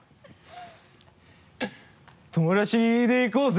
友達でいこうぜ！